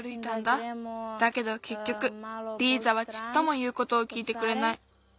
だけどけっきょくリーザはちっともいうことをきいてくれない。